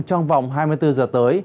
trong vòng hai mươi bốn giờ tới